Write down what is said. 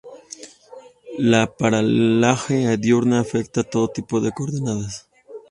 La paralaje diurna afecta a todo tipo de coordenadas.